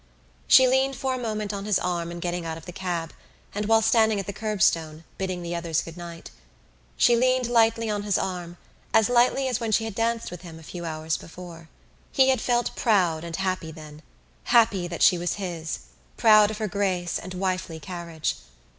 She leaned for a moment on his arm in getting out of the cab and while standing at the curbstone, bidding the others good night. She leaned lightly on his arm, as lightly as when she had danced with him a few hours before. He had felt proud and happy then, happy that she was his, proud of her grace and wifely carriage.